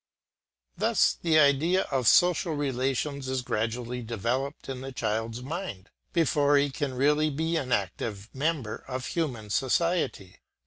Thus the idea of social relations is gradually developed in the child's mind, before he can really be an active member of human society.